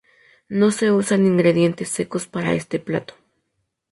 No se usan ingredientes secos para este plato.